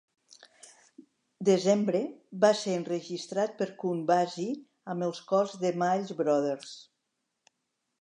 "Desembre" va ser enregistrat per Count Basie amb els cors de Mills Brothers.